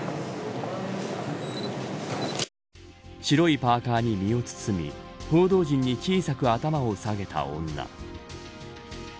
白いパーカーに身を包み報道陣に小さく頭を下げた女。